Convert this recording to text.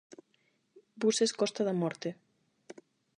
Buses Costa da Morte.